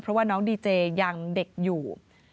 เพราะว่าน้องดีเจยังเด็กอยู่